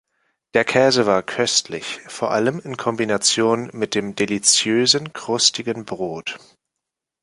Der Käse war köstlich, vor allem in Kombination mit dem deliziösen, krustigen Brot.